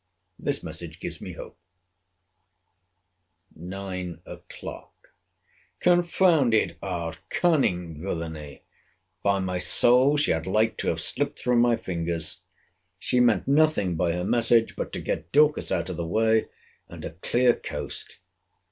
This message gives me hope. NINE O'CLOCK. Confounded art, cunning villany!—By my soul, she had like to have slipped through my fingers! She meant nothing by her message but to get Dorcas out of the way, and a clear coast.